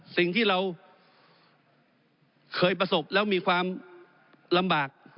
สิ่งที่เราเคยประสบแล้วมีความลำบาก